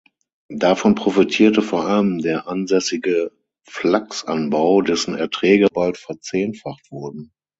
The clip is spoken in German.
Davon profitierte vor allem der ansässige Flachsanbau, dessen Erträge bald verzehnfacht wurden.